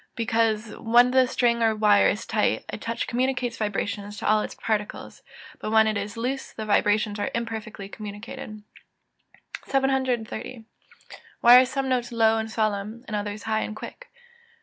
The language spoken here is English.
_ Because when the string or wire is tight, a touch communicates vibrations to all its particles; but when it is loose the vibrations are imperfectly communicated. 730. _Why are some notes low and solemn, and others high and quick?